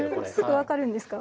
すぐ分かるんですか？